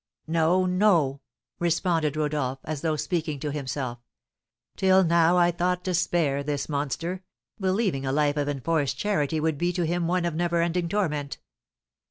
"No, no," responded Rodolph, as though speaking to himself; "till now I thought to spare this monster, believing a life of enforced charity would be to him one of never ending torment.